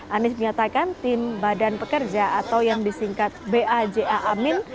anies menyatakan tim badan pekerja atau yang disingkat baja amin